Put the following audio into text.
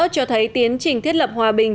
cho thấy tiến trình thiết lập hòa bình